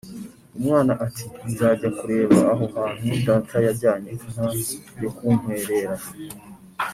Umwana ati: "Nzajya kureba aho hantu data yajyanye inka yo kunkwerera"